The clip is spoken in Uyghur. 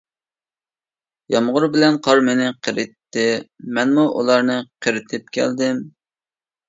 يامغۇر بىلەن قار مېنى قېرىتتى، مەنمۇ ئۇلارنى قېرىتىپ كەلدىم.